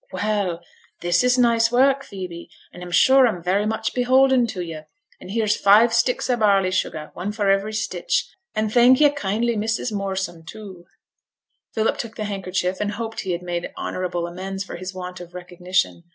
Well! this is nice work, Phoebe, and I'm sure I'm very much beholden to yo'. And here's five sticks o' barley sugar, one for every stitch, and thank you kindly, Mrs. Moorsom, too.' Philip took the handkerchief and hoped he had made honourable amends for his want of recognition.